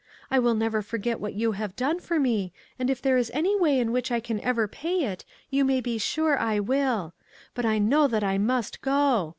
I will never forget what you have done for me, and if there is any way in which I can ever pay it, you may be sure I will. But I know that I must go.